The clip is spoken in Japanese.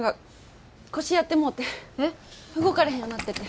動かれへんようなってて。